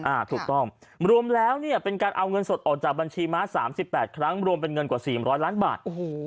ใช่ถูกต้องมึงลวมแล้วเป็นการเอาเงินสดออกจากบัญชีม้า๓๘ครั้งรวมเป็นเงินกว่า๔๐๐ล้านบาท